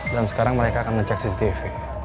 dan sekarang mereka akan ngecek cctv